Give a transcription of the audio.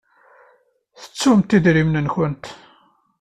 Tettumt idrimen-nkent?